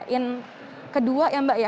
yang kedua ya mbak ya